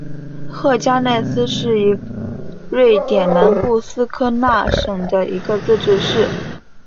赫加奈斯市是瑞典南部斯科讷省的一个自治市。